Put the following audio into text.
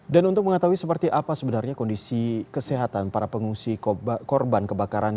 dan untuk mengetahui seperti apa sebenarnya kondisi kesehatan para pengungsi korban kebakaran